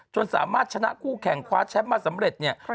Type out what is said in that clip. จนสามารถชนะคู่แข่งความแช็ปมาสำเร็จ